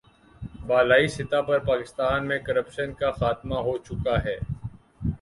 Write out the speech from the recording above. بالائی سطح پر پاکستان میں کرپشن کا خاتمہ ہو چکا ہے